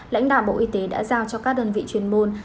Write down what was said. lãnh đạo bộ y tế đã giao cho các đơn vị chuyên môn